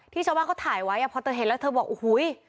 ชาวบ้านเขาถ่ายไว้พอเธอเห็นแล้วเธอบอกโอ้โห